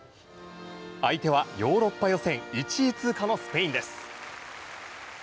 相手はヨーロッパ予選１位通過のスペインです。